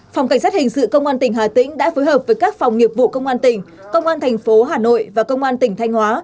phòng cảnh sát hình sự công an tỉnh hà tĩnh đã phối hợp với các phòng nghiệp vụ công an tỉnh công an thành phố hà nội và công an tỉnh thanh hóa